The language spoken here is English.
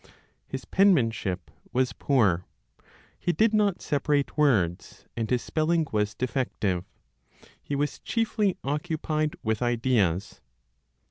His penmanship was poor. He did not separate words, and his spelling was defective; he was chiefly occupied with ideas.